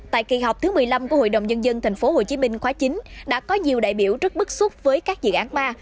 tại kỳ họp thứ một mươi năm của hội đồng nhân dân tp hcm khóa chín đã có nhiều đại biểu rất bức xúc với các dự án ma